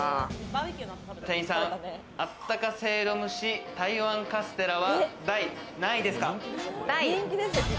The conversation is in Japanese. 店員さん、あったか蒸籠蒸し台湾カステラは第何位ですか？